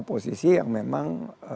posisi yang memang